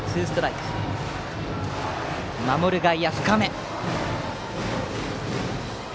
守る外野は深め。